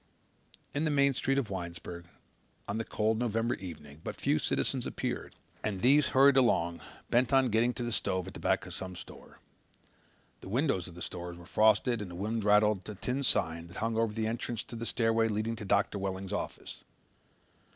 In the main street of Winesburg, on the cold November evening, but few citizens appeared and these hurried along bent on getting to the stove at the back of some store. The windows of the stores were frosted and the wind rattled the tin sign that hung over the entrance to the stairway leading to Doctor Welling's office.